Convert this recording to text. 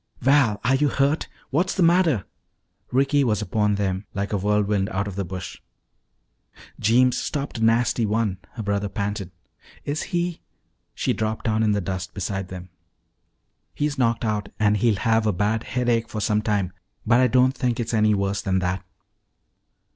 "Val! Are you hurt? What's the matter?" Ricky was upon them like a whirlwind out of the bush. "Jeems stopped a nasty one," her brother panted. "Is he " She dropped down in the dust beside them. "He's knocked out, and he'll have a bad headache for some time, but I don't think it's any worse than that."